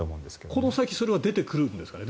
この先それは出てくるんですかね？